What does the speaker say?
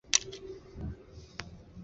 与中国上层人士关系密切。